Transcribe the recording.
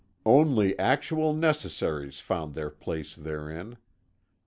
Only actual necessaries found place therein.